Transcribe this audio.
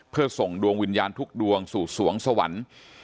เพื่อส่งดวงวิญญาณทุกดวงสู่สวงสวรรค์